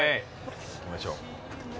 行きましょう。